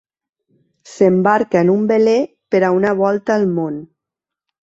S'embarca en un veler per a una volta al món.